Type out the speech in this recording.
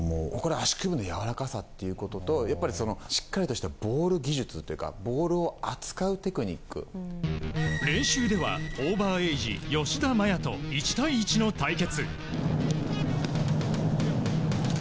足首のやわらかさということとしっかりとしたボール技術というか練習ではオーバーエージ、吉田麻也と１対１の対決。